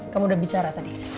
kamu udah bicara tadi